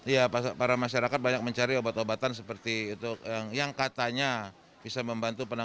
ya para masyarakat banyak mencari obat obatan seperti itu yang katanya bisa membantu penanganan